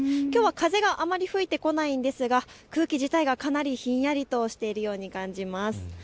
きょうは風があまり吹いてこないんですが空気自体がかなりひんやりとしているように感じます。